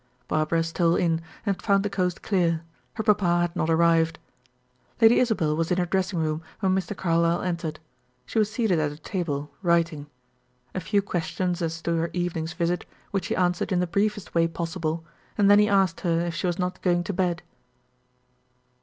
Barbara stole in, and found the coast clear; her papa had not arrived. Lady Isabel was in her dressing room when Mr. Carlyle entered; she was seated at a table, writing. A few questions as to her evening's visit, which she answered in the briefest way possible, and then he asked her if she was not going to bed.